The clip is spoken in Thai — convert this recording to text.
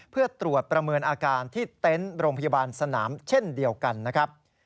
เพื่อตรวจประเมินอาการที่เต็นต์โรงพยาบาลสนามเช่นเดียวกันนะครับ